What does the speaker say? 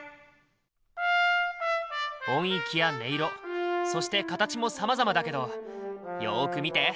音域や音色そして形もさまざまだけどよく見て。